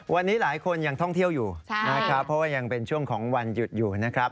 วันนี้หลายคนยังท่องเที่ยวอยู่นะครับเพราะว่ายังเป็นช่วงของวันหยุดอยู่นะครับ